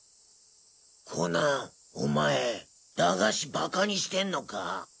コナンお前駄菓子馬鹿にしてんのか。